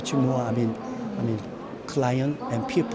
jadi kami senang